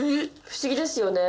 不思議ですよね。